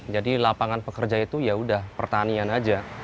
jadi lapangan pekerja itu ya sudah pertanian saja